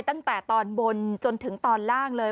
ตั้งแต่ตอนบนจนถึงตอนล่างเลย